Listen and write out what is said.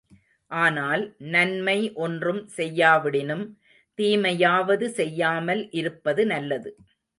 ஆனால், நன்மை ஒன்றும் செய்யாவிடினும் தீமையாவது செய்யாமல் இருப்பது நல்லது.